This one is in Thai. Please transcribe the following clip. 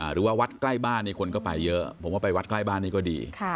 หรือว่าวัดใกล้บ้านนี่คนก็ไปเยอะผมว่าไปวัดใกล้บ้านนี้ก็ดี